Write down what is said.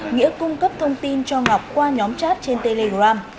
nghĩa cung cấp thông tin cho ngọc qua nhóm chat trên telegram